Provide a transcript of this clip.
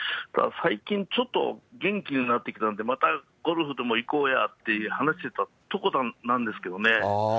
最近ちょっと元気になってきたので、またゴルフでも行こうやって話してたとこなんですがね。